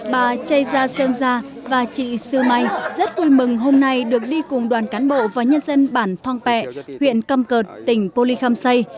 bà chai gia sơn gia và chị sư mai rất vui mừng hôm nay được đi cùng đoàn cán bộ và nhân dân bảng thọn pẹ huyện căm cợt tỉnh bô ly kham say